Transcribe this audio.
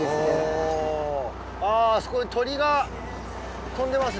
ああそこに鳥が飛んでますね。